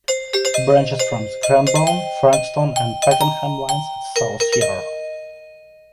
Branches from the Cranbourne, Frankston and Pakenham lines at "South Yarra".